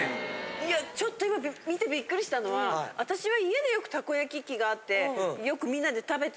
いやちょっと今見てビックリしたのは私は。